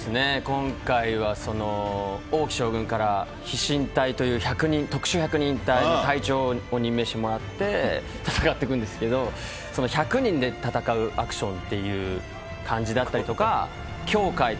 今回は大き将軍から飛信隊という特殊１００人隊の隊長を任命してもらって、戦っていくんですけれども、その１００人で戦うアクションっていう感じだったりとか、きょうかいと